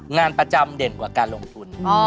งานประจำเด่นกว่าการลงทุน